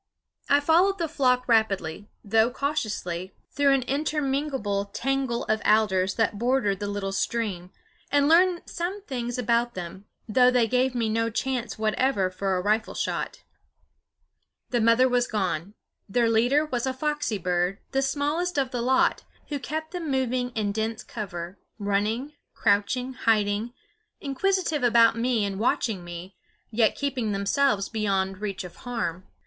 I followed the flock rapidly, though cautiously, through an interminable tangle of alders that bordered the little stream, and learned some things about them; though they gave me no chance whatever for a rifle shot. The mother was gone; their leader was a foxy bird, the smallest of the lot, who kept them moving in dense cover, running, crouching, hiding, inquisitive about me and watching me, yet keeping themselves beyond reach of harm.